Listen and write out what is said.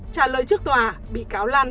trả lời trước tòa bị cáo lan